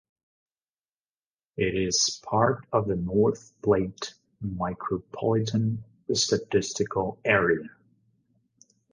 It is part of the North Platte Micropolitan Statistical Area.